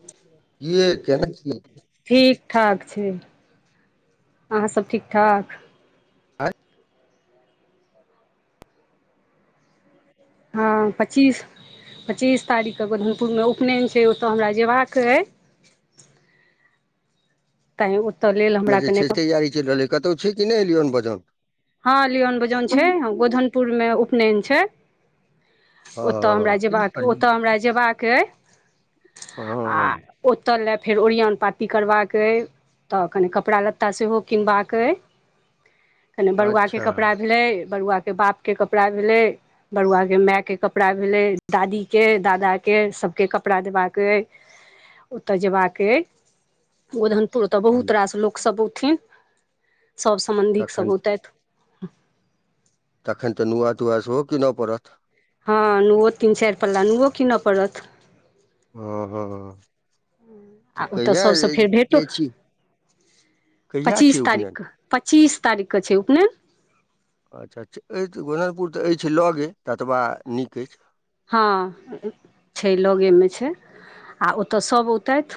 कि ये केना छिये। ठीक ठाक छैय अहाँ सब ठीक ठाक। हँ पच्चीस, पच्चीस तारीख के गोरधनपुर में उपनयन छै, ओतय हमरा जयबाक अइ। तैय। में जे छै तैयारी चलि रहलै कतहु छी। किने एलियौ हन बजन। हँ लिओन बजौन छै गोधनपुरमे उपनयन छैय। ह ओतय हमरा जेयबाक किनकर अ यौ? ओतय हमरा जेयबाक अइ। आ हँ ओत लऽ फेर ओरियान पाती करबाक अइ, तऽ कनि कपड़ा लत्ता सेहो किनबाक अइ। कनि बरुआके अच्छा कपड़ा भेलै। बड़ुआके बापके कपड़ा भेलै बरुआके मायके कपड़ा भेलै दादीके दादाके सभके कपड़ा देबाक अइ ओतऽ जेबाक अ गन आता तऽ बहुत रास लोकसभ औथिन। सब सम्बन्धिक तखन सब [unintelligible] तखन तऽ नुआ तुआ सेहो कीनय पड़त। हँ नुओ तीन चाइर पल्ला नुओ कीनय पड़त। अ हँ हँ तऽ आ ओतय कहिया सभसँ फेर भेटो जाइ छी कहिया छी उपनयन। च्चीस तारखके छै उपनैन। अच्छाऽ छा अछि गोननपुर तऽ अछि लगे ततबा नीक अछि। हँ छैय लगेमे छैय आ ओतय सभ औतेथ।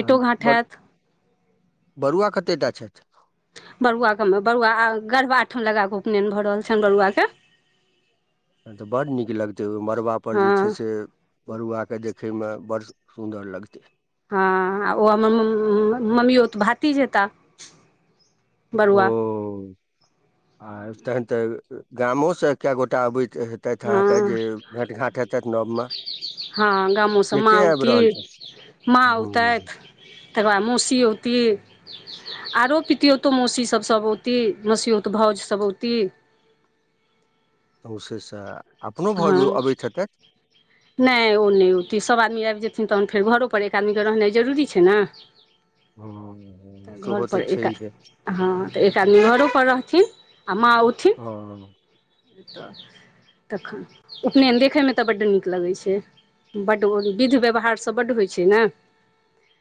आ बड़ बरुआ कते टा छैय। बरुआकेमे बरुआ गरबा ठाम लगा कऽ उपनयन भऽ रहल छनि बरुआके। ँ तऽ बड्ड नीक लगतै ओहि मड़बापर जे छै हँ से बरुआ के देखे में बड़ सुन्दर लगते। हँ ओ हमर मम्म मम्मिओत भातिज हेता। बरुआ ओ आ तहन तऽ गामो से कए गोटा आबैत हँ हेतथि नवमे हँ गामोसँ के माँ के आबि औती रहल छथि माँ औतैत हँ तकर बाद मौसी औती। आरो पितौतो मौसी सभ औती मौसीओत भौजसभ औती। औशे ष हँ नहि ओ नहि होती सब आदमी आबि जेतै। न तहन फेर घरोपर एक आदमीके रहनाइ जरूरी छैय ने। हँ तऽ घर सेहो पर एक आ छैहे हँ तऽ एक आदमी घरो पर रहथिन। आ माउथ ई हँ त तखन उपनैन देखय मे ते बड नीक लगै छै, बड ओ विध व्यवहार स बड्ड होय छै ने।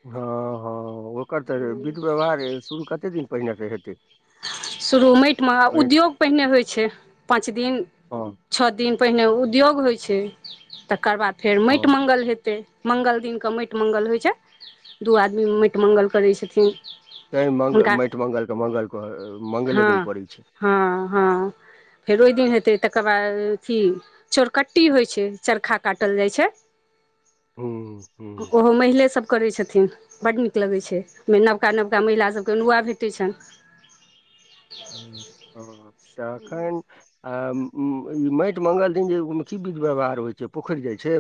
हँ हँ ओकर तऽ विध व्यवहार शुरू कते दिन पहिने तऽ हेतै शुरू मेएट मे पहिने उद्योग पेहना होय छै पाँच दिन, हँ छ दिन। पेहना उद्योग होय छै, तकर बाद फेर मेएट हँ मांगल हेतै। मंगल दिन के मेएट मंगल होय छै। दू आदमी मेएट मंगल करै छथिन। [unintelligible] तै मग मेएट मंगल के मंगल क हाँ-हाँ-हाँ। फेर ओय दिन हेतै, तकर बाद अथी चोरकट्टी होय छै, चरखा काटल जाय छै। हूँ हूँ उहो महिले सब करै छथिन। बड नीक लगै छै मे नबका-नबका महिला सबके नुआ भेटै छै। ह्म्म, ओ हो हो तखेन आ उम्म ई मेएट मंगल दिन जे उ मे की विध व्यवहार होय छै, पोखेर जाय छै।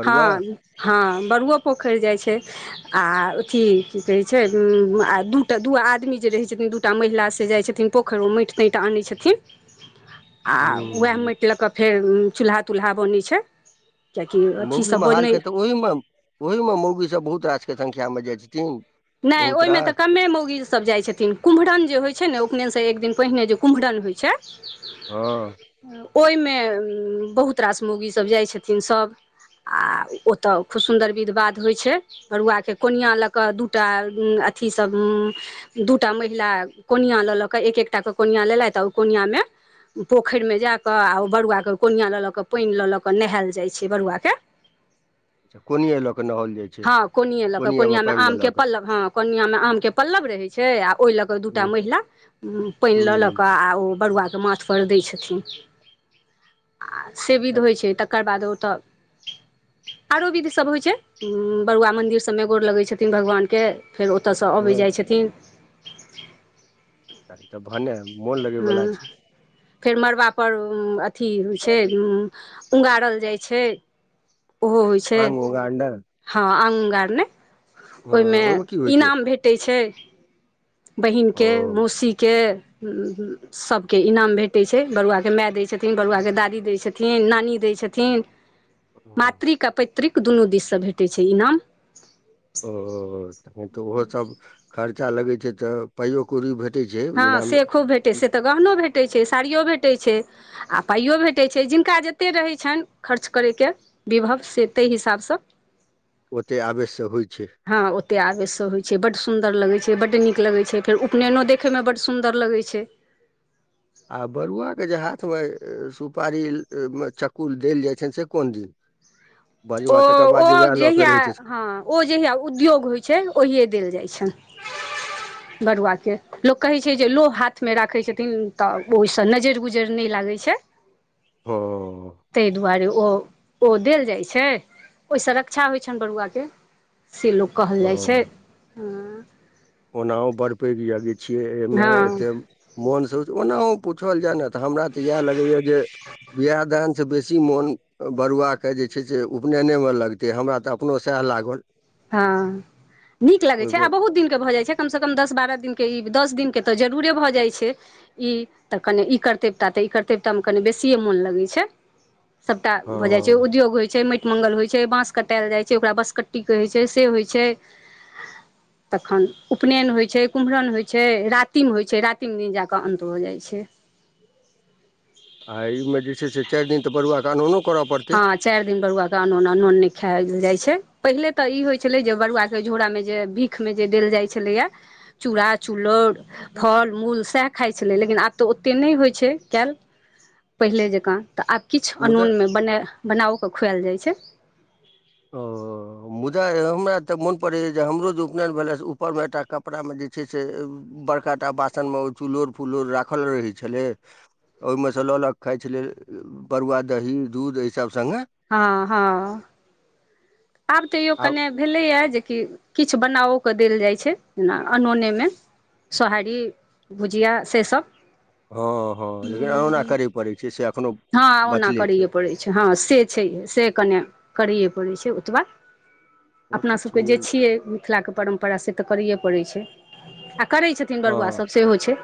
बरुआ हाँ, हाँ बड़ुओ पोखर जाय छै। आ अथी की कहै छै उम्म आ दूटा, दू आदमी जे रहै छथिन, दूटा महिला से जाय छथिन, पोखर मे मेएट-तेएट आनै छथिन। आ उहाए हूँ मेएट लऽ के फेर चूल्हा-तूल्हा बनै छै। कियाकी मौगी महाल के ते ओहि मे, ओहि मे मौगी सब बहुत आज के संख्या मे जाय छथिन। नै बहुत ओय मे ते रास कमे मौगी सब जाय छथिन, कुम्हरन जे होय छै ने उपनैन से ते एक दिन पहिने जे कुम्हरन होय छै। हाँ। ओय मे बहुत रास मौगी सब जाय छथिन सब आ ओता खूब सुन्दर विध-बाध होय छै, बरुआ के कोनिया लऽ कऽ दू टा उम्म अथी सब उम्म दूटा महिला कोनिया लऽ लऽ के एक एकटा के कोनिया लेलैत आ उ कोनिया मे पोखर मे जाके आ उ बरुआ के कोनिया लऽ लऽ के, पेएन लऽ लऽ के नेहाएल जाय छै बरुआ के। अच्छा कोनिये लऽ कऽ नहौल जाय छै, कोनिया मे पेएन ल ल के। तब हाँ कोनिया मे आम के पल्लव रहै छै आ ओय लऽ के दूटा हूँ महिला उम्म पेएन लऽ ल हूँ, के आ ओ बरुआके माथपर दै छथिन। आ से विध होइ छै तकर बाद ओ तब, आरो विध सब होइ छै, बरुआ मंन्दिर सबमे गोड़ लगै छथिन, भगवानके के फेर ओतयसं अबै हँ, जाइ छथिन। त भने मौन लगय वला छै। फेर मड़बा पर उम्म अ अथी छै उम्म उंगारल जाइ छै। आंग उगाड़ने हां, आंग उगाड़ने। ओहिमे की होइ छै इनाम भेटैत छै। ओ बहिनके, मौसीके, सभके इनाम भेटै छै, बरुआके माय दै छथिन, बरुआके दादी दै छथिन, नानी दै छथिन। हँ, मात्रिक अपे त्रिक दुनु दिससे भेटैत छै इनाम। ओ तखन त ओहो सब खर्च चा लगै छै त पाइयो कौड़ी भेट हां से खुब भेटै छै, से त गहनो भेटै छै, साड़ियो भेटै छै आ पाइयो भेटै छै, जिनका जतेक रहै छनि खर्च करैके विभव से ताहि हिसाबसं ओते आवेश से होइ छै हां ओते आवेश से होइ छै बड सुन् दर लगै छै, बड्ड नीक लगै छै, फेर उपनयनो देखैमे बड्ड सुन्दर लगै छै। आ बरुआके जे हाथमे सुपारी चक्कु देल जाइ छनि से कोन दिन? ओ, बरुआ तकर ओ बाद जे उएह लऽ के जहिया रहै छै हां ओ जहिया उद्योग होइ छैन ओहिये देल जाइ छनि। बरुआके, लोक कहै छै जे लौह हाथमे राखै छथिन त ओहिसं नजरि गुजरि नहि लागै छै। हँ तै दुआरे। ओ, ओ देल जाइ छै, ओहिसं रक्षा होइ छनि बरुआके। से लोक कहल जाइ छै। हुं ओना ओ बर पैघ यादिक छियै एहिमे हँ एते मोन से ओनाओ पुछल जाय ने त हमरा यैह लगैये जे बिियाह दान सबसे बेसी मोन बरुआके जे छै से उपनयनेमे लगतै, हमरा त अपनो सएह लागल। हां, नीक लगै छै ओहिमे आ बहुत दिन के भ जाइ छै। कमसे कम दस बारह दिनके इ, दस दिनके त जरूरे भ जाइ छै इ त कने इ करतेवता त इ करतेवतामे कनि बेसिए मोन लगै छै। सभटा भ जाइ छै, हँ उद्योग होइ छै, माटि मंगल होइ छै बाँस कटाल जाइ छै ओकरा बाँस कट्टी कहै छै से होइ छै तखन उपनयन होइ छै कुम्हरम होइ छै रातिम होइ छै रातिम दिन जाकऽ अन्त भऽ जाइ छै। आ एहिमे जे छै से चारि दिन तऽ बड़ुआके अनोनो करय पड़तै हँ चारि दिन बरुआ के आनोना नोन नहि खायब। कहल जाय छै। पहिले तऽ ई होइत छलै जे बरुआके झोरामे जे भीखमे जे देल जाइत छलैया चूड़ा-चुल्लौड़ फल-मूल सेह खाइ छलै लेकिन आब तऽ ओते नहि होइ छै कयल पहिले जकाँ तऽ आब किछु मुदा अनून मे बने बनाओके खुएल जाइ छै। ओ मुदा एहो हमरा तऽ मन परैया जे हमरो जे उपनयन भेला से उपर मे एकटा कपड़ा मे जे छै से बड़काटा बासन मे ओ चुल्लुर-फुल्लुर राख रहे छलै। ओहिमे स ल ल क खाय छलियै। बड़ुआ दही-दूध अहि सब हँ हँ आब तऽ यो आब कने भेलैएा जे कि किछु बनाओे क देल जाइ छै अनोनेमे सोहारी भुजिया से सब हँ हँ लेकिन अनोना करय पड़ै छै से एखनो हँ ओना करैए पड़ै छै हँ से छै से कने करैए परै छै ओ एतबा ओ तऽ अपनासभके छै जे छियै मिथिलाके परम्परा से तऽ करैए पड़ै छै। आ करै छथिन बरुआ सब सेहो छै।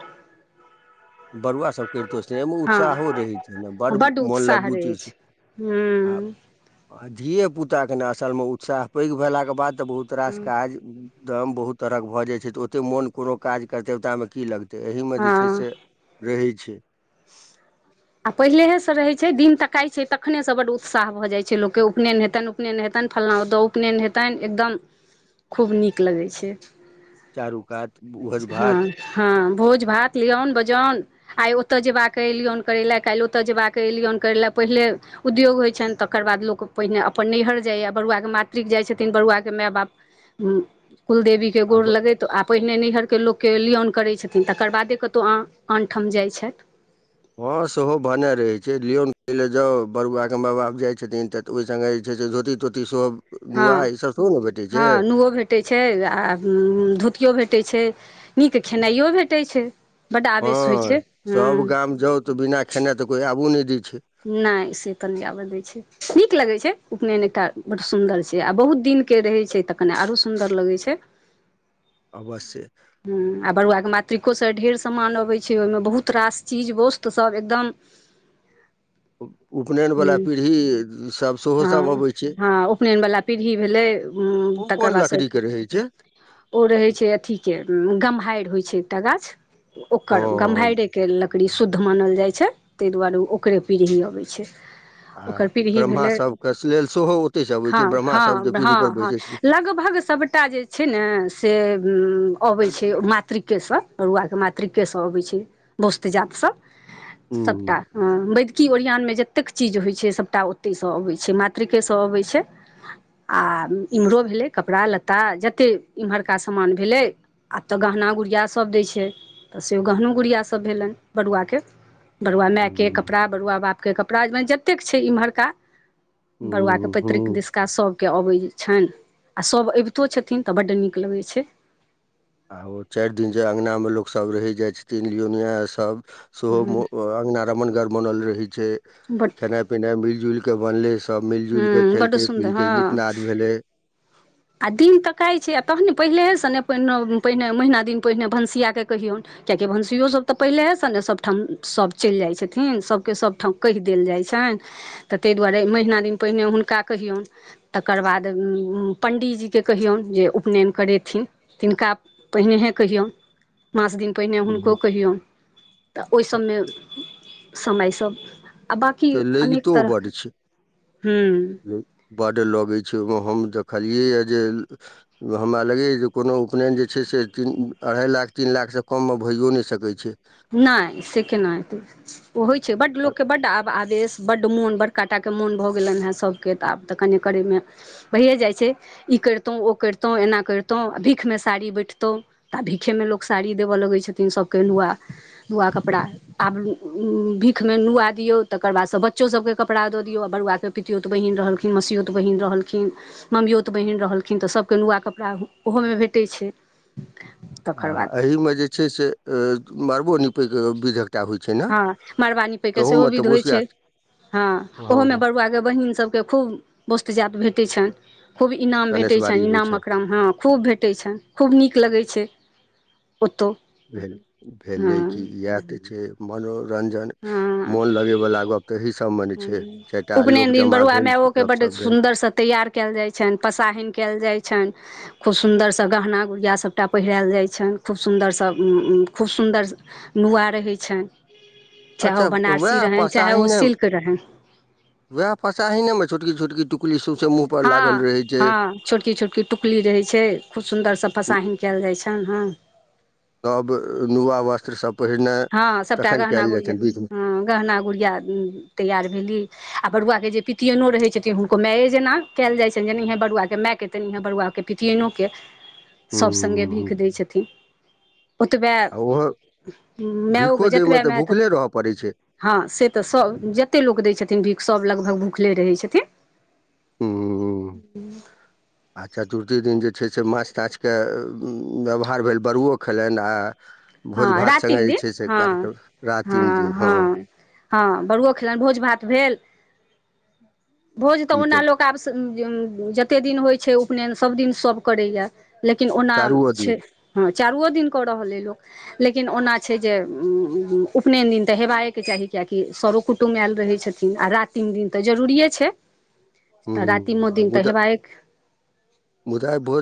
बरुआसभ करितहु सेहे‌ मे हँ उत्साहो रहैत छै बड्ड मोन उत्साह लगू रहै चीज छै हूँ आ धियएपुताके ने असलमे उत्साह पैघ भेलाके बाद तऽ बहुत रास काज दम बहुत तरह के भए जाय छै ओते मोन कोनो काज करते ओता में की लगते तऽ एहिमे जे छै हँ से रहै छै आ पहिलेहेसँ रहै छै दिन तकाइत छै तखनेसँ बड उत्साह भऽ जाइ छै लोककेँ उपनयन हेतनि उपनयन हेतनि फल्लाँ उतऽ उपनयन हेतनि एकदम खूब नीक लगै छै। चारू कात भोज हँ भात हँ भोज भात लिअउन बजउन आइ ओतय जेबाक एय लियौन करै लेए काल्हि ओतय जयबाक एय लियौन करै लेए पहिले उद्योग होइ छनि तकर बाद लोक पहिने अपन नैहर जाइए बरुआके मातृक जाइत छथिन बरुआके माय-बाप कुल देवी के आ गोड़ ब- लगेत आ पहिने नैहर के लोकके लिऑन करै छथिन तकर बादे कतौ आनठाम जाइ छथि। हँ सेहो भने रहैत छै लियौन करै लेए जाउ बरुआके माय-बाप जाइत छथिन तऽऽ ओहि सङ्गे जे छै से धोती-तोती सेहो हाँ, नुआ ईसभ सेहो ने भेटै छै हाँ नुओ भेटै छै आ उम्म धोतियो भे टै छै, नीक खेनाइयो भेटै छै। बड्ड आवेश होइ हाँ छै सब हूँ गाम जौउ तऽ बिना खेना ते कोई आबू ने। नहि से कनी आबे दै छै। नीक लगै छै उपनयन एकटा बड्ड सुन्दर छै आ बहुत दिनके रहै छै तऽ कने आरो सुन्दर लगै छै। अवश्य। ह्म्म आ बरुआ के मातृको से ढेर समान अबै छै, ओय मे बहुत रास चीज, वस्त्र सब एगदम उपनयनवला ह्म्म, पीढ़ी सभ सेहो सभ हाँ अबै छै हाँ उपनैन बला पीढ़ी भेलै, उम्म ओ तकर कोन बाद से लकड़ीके रहै छै ओ रहै छै अथी गम्हाएर होय छै एकटा गाछ। ओकर हँ गम्हाएरे के ल कड़ी शुद्ध मानल जाय छै तै दुआरे उ ओकरे पीढ़ी अबै छै। आ ओकर पीढ़ी ब्रह्मा भेले, सबके लेल सेहो ओतहिसँ अबै छै ब्रह्मा सब जे पीढ़ी पर हाँ-हाँ-हाँ-हाँ बैसै छै लगभग सबटा जे छै ने से उम्म हुं। अबै छै मातृके से, बरुआ के मातृके से अबै छै वस्त्र जात सब। हूँ सबटा अ वेदकी ओरियान मे जे तेक चीज होय छै सबटा ओते से अबै छै, मातृकेे से अबै छै आ इम्हरो भेलै कपड़ा लत्ता जते इम्हरका समान भेलै। आब ते गहना गुड़िया सब दै छै तऽ से गहनो गुड़िया सब भेलन बरुआ के। बरुआ माय के हूँ कपड़ा, बरुआ बाप के कपड़ा मने जतेक छै इम्हरका बरुआ के हूँ पैतृक हूँ दिसका सबके अबै छैन आ सब एबतो छथिन तऽ बड नीक लगै छै। आ ओ चार दिन जे अंगना मे लोक सब रहै जाए छथिन लियोनिया सब। सोहो मु अ अंगना रमणगर बनल रहै छै, बड खेना पीना मिल-जुल के बनले सब मिल-जुल के हूँ बड्ड खेलकै, सुन्दर पीलकै, हँ गीत-नाद भेले। आ दिन तकै छै आ तहने पहिलेहे सने [unintelligible] पहिने महीना दिन पहिने भनसिया केँ कहियौन, कियाकि भनसियो सब तऽ पहिलेहे से ने सब ठाम सब चैल जाय छथिन, सबके सब ठाम कैह देल जाय छैन तऽ तै दुआरे महिना दिन पहिने हुनका कहियौन, तकर बाद उम्म पण्डीजी केँ कहियौन जे उपनैन करेथिन, तिनका पहिनेहे केहयौन। माँस दिन पहिने हुनको हूँ। कहियौ। तऽ ओय सब मे समय सब आ बाकी से अनेक लगितो तरह, बड्ड ह्म्म। बड लगै छै, ओय मे हम देखलियै या जे हमरा लगैए जे कोनो उपनैन जे छै से तीन, अढ़ाई लाख, तीन लाख से कम मे भएयो नै सकै छै। नै से केना एते। उ होय छै बड लोक के बड्ड आ आवेश बड मोन बड़काटा के मोन भऽ गेलैन हेन सबके तऽ आब ते कनि करैमे भयिये जाय छै ई करितों, ओ करितों, एना करतौ आ भीखमे साड़ी बैठतौ तऽ आ भीखेमे लोक साड़ी देबै लगै छथिन सबके नुआ। नुआ कपड़ा आब उम्म भीखमे नुआ दियौ, तकर बादसँ बच्चो सबके कपड़ा दऽ दियौ आ बरुआ के पितियोतऽ बहीन रहलखिन, मसयोतऽ बहीन रहलखिन, मम्मयोतऽ बहीन रहलखिन तऽ सबके नुआ कपड़ा उहो मे भेटै छै। आ तकर बाद एही में जे छै से अ मरबो नि [unintelligible] विध। एकटा होइ छै ने हँ मड़बा नीपैके सेहो तहूमे तऽ विध होइत बसिया छै हँ ओहोमे बरुआके बहिन सभके खूब बस। त जात भेटैत छै न। खूब इनाम भेटै कनेसबारी छनि होइ इनामकम हँ खूब भेटै छनि खूब नीक लगै छै। ओतौ भेल, हँ भेलै कि इहाए तऽ छै मनो रंजन मोन लगैवला गप ते ही ह्म्म उपनयन दिन बरुआ भेल मायओके बड्ड गपशप भेल सुन्दरसँ तैयार कयल जाइ छनि पसाहहिन कयल जाइ छनि। खूब सुन्दरसँ गहना गुड़िया सभटा पहिरायल जाइ छनि खूब सुन्दरसँ खूब सुन्दर नुआ रहै छनि। चाहे ओ अच्छा बनारसी उएह रहै चाहे ओ पसाहिने सिल्क। रहनि वएह पसा ही ने मे छोटकी। [unintelligible] लागल हँ रहै छै हँ छोटकी छोटकी टुकली रहैत छै खूब सुन्दरसँ फसाहिन कयल जाइत छै। तानहां। नव नुआ वस्त्र सब। हँ सभटा गहना गुड़िया हँ गहना गुड़िया तैयार भेली। आ बरुआके जे पितियएनो रहै छथिन हुनको मायए जेना कयल जाइत छनि जेनाएह बरुआके मायकेँ तेएे बरुआके पितियनोके। सभ सङ्गे भीख हुँ दै छथिन। ठीक। ओतबै। आओर ओहो मै ओ के भिखो जेतबा दैमे तऽ मै त भुखले रहऽ पड़ै छै ह से त स जत्ते लोक दे। भीख सब लगभग भुखले रहै छथिन। आ चतुर्थी दिन जे छै से माछ ताछके व्यवहार भेल बरुओ खेलनि आ। भोज हँ भात सङ्गे रातिम जे दिन छै से हँ कार्यक्रम रातिम दिन हँ। हँ बड़ुओ खेलनि भोज भात भेल। भोज तऽ ओना लोक आब। जतेक दिन होइ छै उपनयन सभदिन सभ करैए। लेकिन ओना चारूओ दिन छै हँ। चारुओ दिन क रहले लोक। लेकिन ओना छै जे उपनयन दिन तऽ हेबाकएके चाही किएकि सरो कुटुम आयल रहै छथिन आ रातिम दिन तऽ जरूरिए छै। तऽ राति म हुँ दिन तऽ मुदा हेबा एक। मुदा भोज